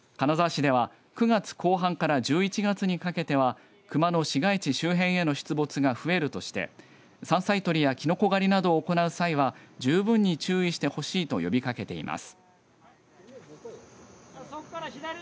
金沢市では９月後半から１１月にかけてはクマの市街地周辺への出没が増えるとして山菜採りや、キノコ狩りなどを行う際は十分に注意してほしいと呼びかけています。